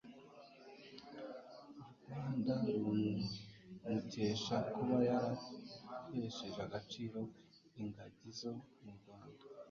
U Rwanda rumukesha kuba yarahesheje agaciro ingagi zo mu Rwanda,